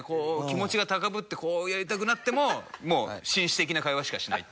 気持ちが高ぶってこうやりたくなってももう紳士的な会話しかしない。